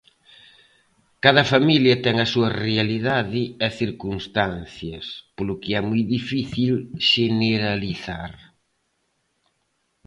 Cada familia ten a súa realidade e circunstancias, polo que é moi difícil xeneralizar.